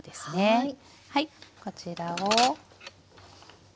はい。